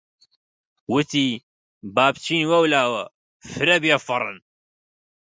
وتی: با بچن وەولاوە فرە بێفەڕن!